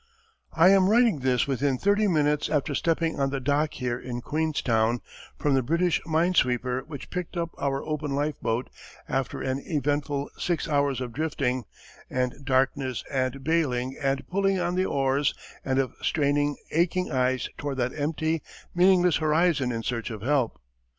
I am writing this within thirty minutes after stepping on the dock here in Queenstown from the British mine sweeper which picked up our open lifeboat after an eventful six hours of drifting, and darkness and baling and pulling on the oars and of straining aching eyes toward that empty, meaningless horizon in search of help.